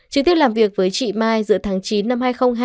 tri tiết làm việc với chị mai giữa tháng chín năm hai nghìn hai mươi hai